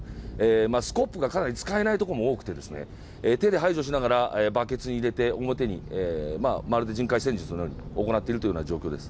スコップがかなり使えない所も多くてですね、手で排除しながら、バケツに入れて、表にまるで人海戦術のように行っているという状況です。